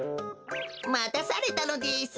またされたのです。